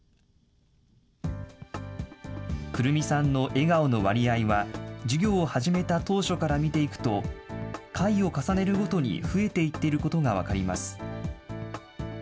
来未さんの笑顔の割合は、授業を始めた当初から見ていくと、回を重ねるごとに増えていっていることが分かります。